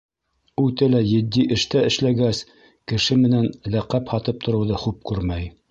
Үтә лә етди эштә эшләгәс, кеше менән ләҡәп һатып тороуҙы хуп күрмәй.